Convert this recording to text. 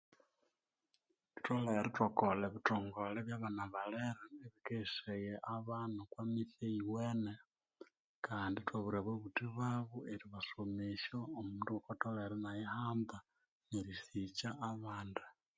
Thutholere ithwakole ibithongole ebyabana balere ebikeghesaya abana bokwamitse eyiwene kandi ethwabwira ababuthi babo eribasomesya omundu kwatholere inayihamba nerisikya abandi